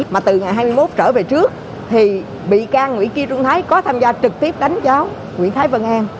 mà từ ngày hai mươi một trở về trước thì bị can nguyễn kim trung thái có tham gia trực tiếp đánh giáo nguyễn thái vân an